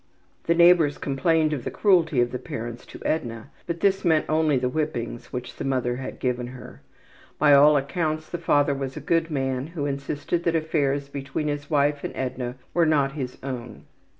The neighbors complained of the cruelty of the parents to Edna, but this meant only the whippings which the mother had given her. By all accounts the father was a good man who insisted that affairs between his wife and Edna were not his own.